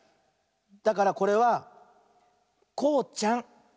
だからこれは「こうちゃん」。